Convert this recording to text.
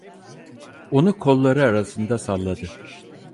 Onu kolları arasında salladı.